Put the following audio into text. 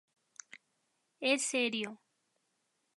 Es serio.